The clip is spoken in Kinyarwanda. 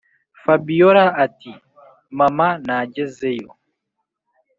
fabiora ati”mama nagezeyo